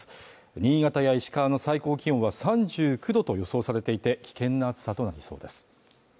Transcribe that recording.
新潟や石川の最高気温は３９度と予想されていて危険な暑さとなりそうです